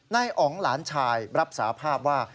นายอ๋องหลานชายรับสาภาพว่า